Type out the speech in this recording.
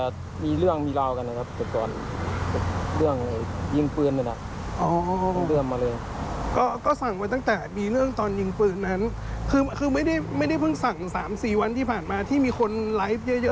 ส่วนไลฟ์เยอะดูเยอะตอนนั้นไม่ใช่ใช่ไหมคะ